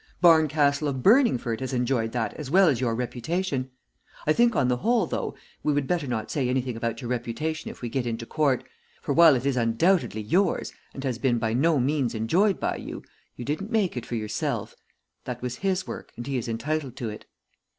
Barncastle of Burningford has enjoyed that as well as your reputation. I think on the whole though, we would better not say anything about your reputation if we get into court, for while it is undoubtedly yours, and has been by no means enjoyed by you, you didn't make it for yourself. That was his work, and he is entitled to it."